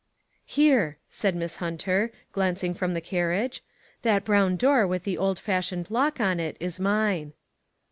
" Here," said Miss Hunter, glancing from the carriage; "that brown door with an old fashioned lock on it is mine."